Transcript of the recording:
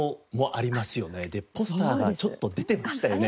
でポスターがちょっと出てましたよね。